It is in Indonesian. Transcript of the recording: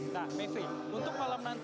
nah mayfrey untuk malam nanti